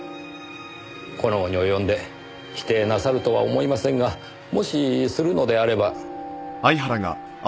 この期に及んで否定なさるとは思いませんがもしするのであれば。